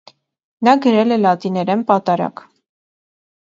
Նա գրել է լատիներեն պատարագ։